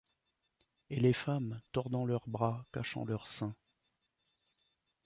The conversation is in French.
Et les femmes, tordant leurs bras, cachant leurs seins